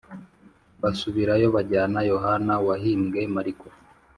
basubirayo bajyana Yohana wahimbwe Mariko